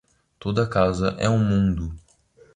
Toda casa é um mundo.